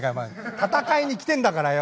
戦いに来てんだからよ。